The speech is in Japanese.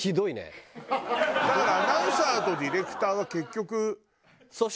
だからアナウンサーとディレクターは結局。